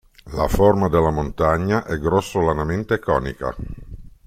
La forma della montagna è grossolanamente conica.